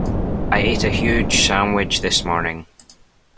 I ate a huge sandwich this morning.